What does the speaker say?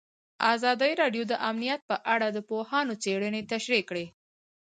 ازادي راډیو د امنیت په اړه د پوهانو څېړنې تشریح کړې.